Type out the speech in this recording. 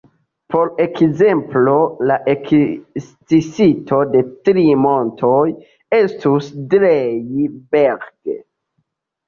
Por ekzemplo, la ekzisto de tri montoj estus Drei-Berg-.